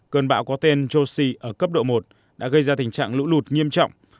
cơn bão có tên josi ở cấp độ một đã gây ra tình trạng lũ lụt nghiêm trọng